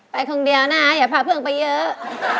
คนเดียวนะคะอย่าพาเพื่อนไปเยอะ